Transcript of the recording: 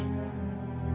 eh ayah sebenernya